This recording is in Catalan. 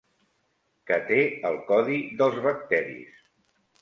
Què té el codi dels bacteris?